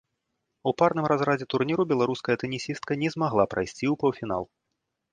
У парным разрадзе турніру беларуская тэнісістка не змагла прайсці ў паўфінал.